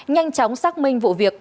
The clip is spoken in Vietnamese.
nhanh chóng xác minh vụ việc